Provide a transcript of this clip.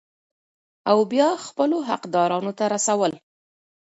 او بيا خپلو حقدارانو ته رسول ،